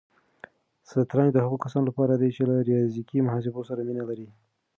شطرنج د هغو کسانو لپاره دی چې له ریاضیکي محاسبو سره مینه لري.